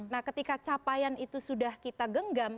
nah ketika capaian itu sudah kita genggam